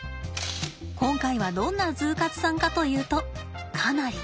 今回はどんなＺＯＯ活さんかというとかなり。